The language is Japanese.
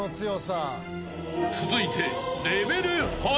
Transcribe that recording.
［続いて］